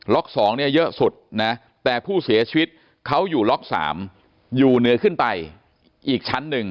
๒เนี่ยเยอะสุดนะแต่ผู้เสียชีวิตเขาอยู่ล็อก๓อยู่เหนือขึ้นไปอีกชั้นหนึ่ง